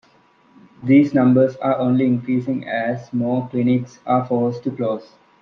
These numbers are only increasing as more clinics are forced to close.